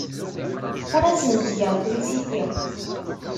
Ur asen-ttgeɣ trisiti.